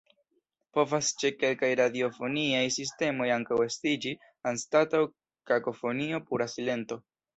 Povas ĉe kelkaj radiofoniaj sistemoj ankaŭ estiĝi, anstataŭ kakofonio, pura silento.